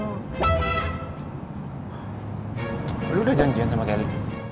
lo udah janjian sama kelly